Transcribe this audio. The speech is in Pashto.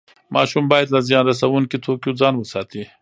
ماشوم باید له زیان رسوونکي توکیو ځان وساتي.